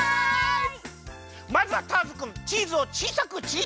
まずはターズくんチーズをちいさくちぎってください。